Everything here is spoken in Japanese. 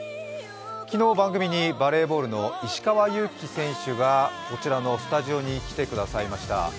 昨日、番組にバレーボールの石川祐希選手がこちらのスタジオに来てくださいました。